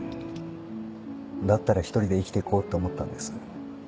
だったら１人で生きていこうって思ったんです。